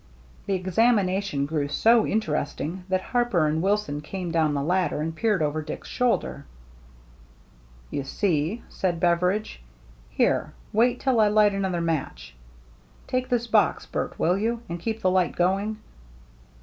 The examination grew so interesting that Harper and Wilson came down the ladder and peered over Dick's shoulders. "You see/* said Beveridge, — "here, wait till I light another match. Take this box, Bert, will you, and keep the light going